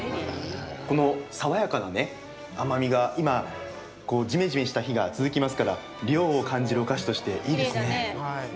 この爽やかなね、甘みが今じめじめした日が続きますから涼を感じるお菓子としていいですね。